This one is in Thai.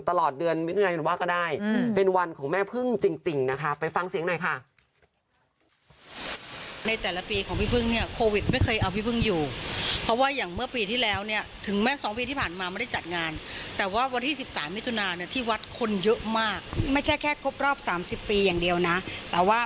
ตลอดเดือนวันไหนเป็นวันก็ได้เป็นวันของแม่พึ่งจริงนะคะ